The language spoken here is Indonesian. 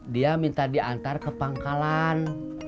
dia minta diantar ke pangkalan